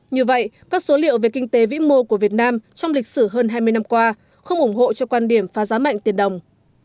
như vậy các số liệu về kinh tế vĩ mô của việt nam trong lịch sử hơn hai mươi năm qua không ủng hộ cho quan điểm phá giá mạnh tiền đồng